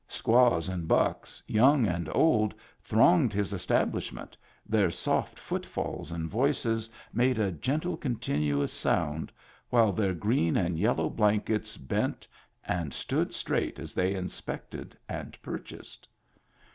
Squaws and bucks young and old thronged his establishment, their soft footfalls and voices made a gentle continuous sound, while their green and yellow blankets bent and stood straight as they inspected and purchased.